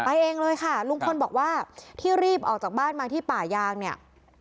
เองเลยค่ะลุงพลบอกว่าที่รีบออกจากบ้านมาที่ป่ายางเนี่ย